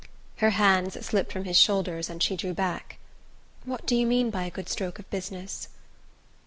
Her hands slipped from his shoulders and she drew back. "What do you mean by a good stroke of business?